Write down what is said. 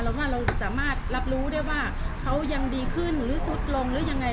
ว่าเราสามารถรับรู้ได้ว่าเขายังดีขึ้นหรือซุดลงหรือยังไง